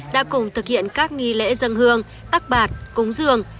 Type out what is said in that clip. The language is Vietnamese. đã cùng thực hiện các nghi lễ dân hương tắc bạt cúng dương